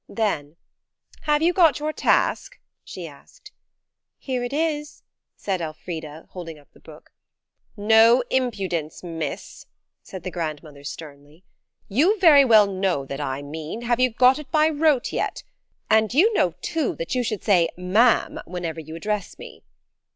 Then– "Have you got your task?" she asked. "Here it is," said Elfrida, holding up the book. "No impudence, miss!" said the grandmother sternly. "You very well know that I mean, have you got it by rote yet? And you know, too, that you should say 'ma'am' whenever you address me."